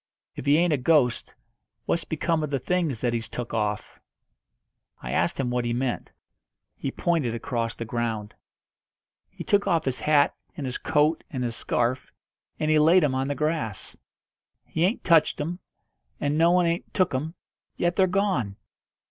"If he ain't a ghost, what's become of the things that he's took off?" I asked him what he meant. He pointed across the ground. "He took off his hat and his coat and his scarf, and he laid 'em on the grass. He ain't touched 'em, and no one ain't took 'em, yet they're gone!